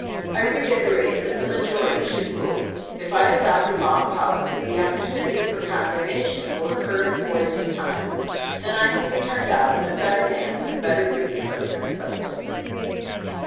I reiterate, that the majority should rule. If I adopt a wrong policy, the opportunity for condemnation will occur in four years' time. Then I can be turned out, and a better man with better views put in my place.